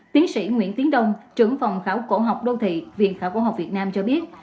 tiến sĩ nguyễn tiến đông trưởng phòng khảo cổ học đô thị viện khảo cổ học việt nam cho biết